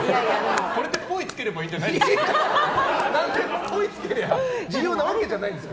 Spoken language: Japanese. これって「っぽい」つければいいんじゃないですか？